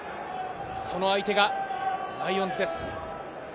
その相手がライオンズです。